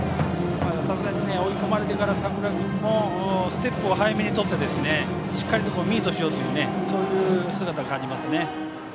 追い込まれてからは佐倉君もステップを早めに取ってしっかりとミートしようという姿を感じます。